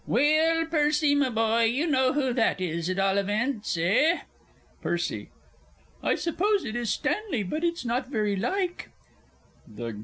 Well, Percy, my boy, you know who that is, at all events eh? PERCY. I suppose it is Stanley but it's not very like. THE G.